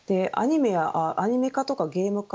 アニメ化やゲーム化